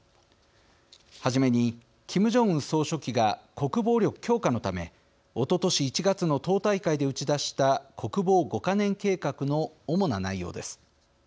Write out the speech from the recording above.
はじめにキム・ジョンウン総書記が国防力強化のためおととし１月の党大会で打ち出した国防５か年計画の主な内容です。